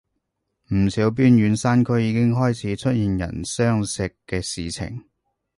唔少邊遠山區已經開始出現人相食嘅事情